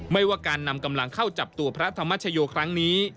ไม่ว่าการนำกำลังเข้าจับตัวพระธรรมชโยครั้งนี้